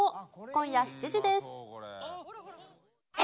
今夜７時です。